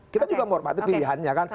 kita juga menghormati pilihannya kan